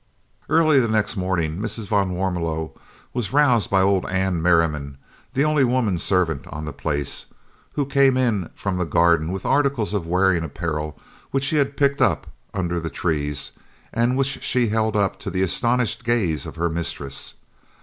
Early the next morning Mrs. van Warmelo was roused by old Anne Merriman, the only woman servant on the place, who came in from the garden with articles of wearing apparel which she had picked up under the trees, and which she held up to the astonished gaze of her mistress.